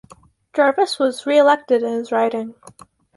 Jarvis was re-elected in his riding.